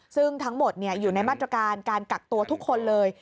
ซึ่งทั้งหมดอยู่ในมาตรการการกักตัวทุกคนเลย